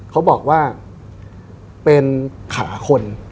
เขาบอกว่าเป็นขาคน